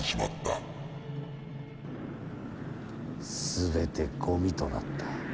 全てごみとなった。